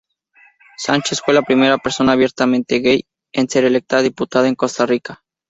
Sánchez fue la primera persona abiertamente gay en ser electa diputada en Costa Rica.